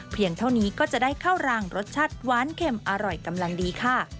เท่านี้ก็จะได้ข้าวรางรสชาติหวานเข็มอร่อยกำลังดีค่ะ